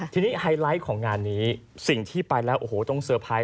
ทีนี้ไฮไลท์ของงานนี้สิ่งที่ไปแล้วโอ้โหต้องเซอร์ไพรส